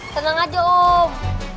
tenang aja om